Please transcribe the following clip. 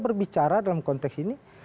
berbicara dalam konteks ini